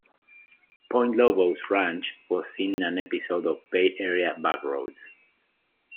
Point Lobos Ranch was seen in an episode of Bay Area Back Roads.